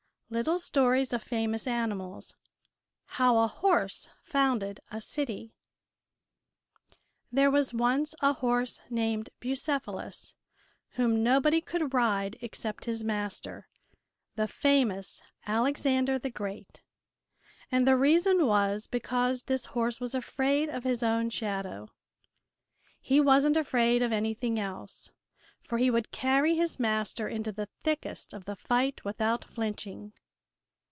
LITTLE STORIES OF FAMOUS ANIMALS How A Horse Founded A City There was once a horse named Bucephalus whom nobody could ride except his master, the famous Alexander the Great; and the reason was because this horse was afraid of his own shadow. He wasn't afraid of anything else, for he would carry his master into the thickest of the fight without flinching.